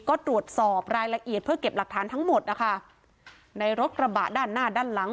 ก็ตรวจสอบรายละเอียดเพื่อเก็บหลักฐานทั้งหมดนะคะในรถกระบะด้านหน้าด้านหลัง